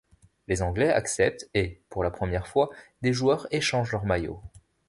Les Anglais acceptent et, pour la première fois, des joueurs échangent leurs maillots.